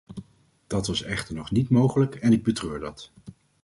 Dat was echter nog niet mogelijk en ik betreur dat.